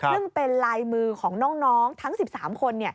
ซึ่งเป็นลายมือของน้องทั้ง๑๓คน